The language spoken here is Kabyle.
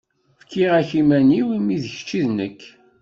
Fkiɣ-ak iman-iw imi d kečč i d nekk.